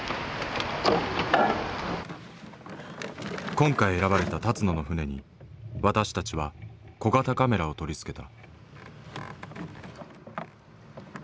今回選ばれた立野の船に私たちは小型カメラを取り付けた。